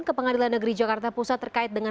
ke pengadilan negeri jakarta pusat terkait dengan